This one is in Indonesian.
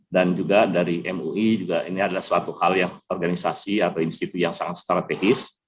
dan juga dari mui ini adalah suatu hal yang organisasi atau institusi yang sangat strategis